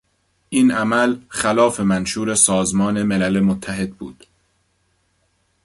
این عمل خلاف منشور سازمان ملل متحد بود.